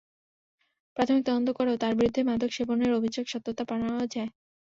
প্রাথমিক তদন্ত করেও তাঁর বিরুদ্ধে মাদক সেবনের অভিযোগের সত্যতা পাওয়া যায়।